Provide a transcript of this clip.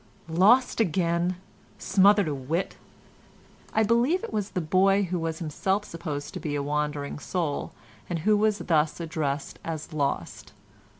Lost again—smothered o' wit." (I believe it was the boy who was himself supposed to be a wandering soul, and who was thus addressed as lost.)